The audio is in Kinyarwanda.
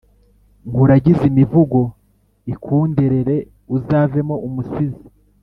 Nkuragize imivugo ikunderere uzavemo umusizi